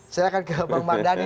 saya akan ke bang mardhani